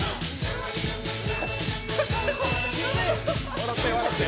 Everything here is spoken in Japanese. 笑って笑って！